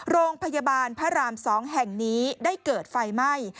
โรงพยาบาลพระราม๒แห่งนี้ได้เกิดไฟไหม้